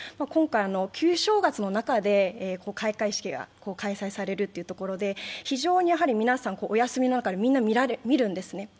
今回、旧正月の中で開会式が開催されるというところで、非常に皆さんお休みの中で見るんですね。